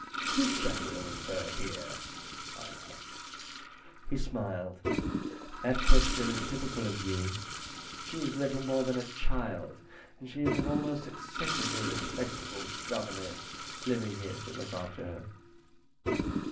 " Who chaperons her here ?" I asked. He smiled. "That question is typical of you. She is little more than a child, and she has an almost excessively respectable governess living here to look after her.